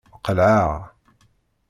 Qelɛeɣ.